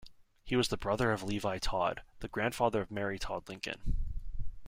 He was the brother of Levi Todd, the grandfather of Mary Todd Lincoln.